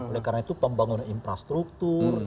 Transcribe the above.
oleh karena itu pembangunan infrastruktur